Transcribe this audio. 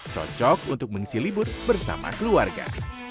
cocok untuk mengisi libur bersama keluarga